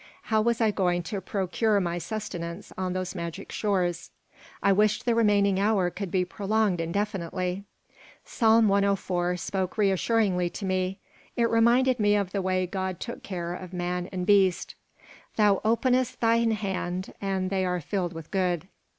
How was I going to procure my sustenance on those magic shores? I wished the remaining hour could be prolonged indefinitely Psalm 104 spoke reassuringly to me. It reminded me of the way God took care of man and beast: "Thou openest thine hand and they are filled with good."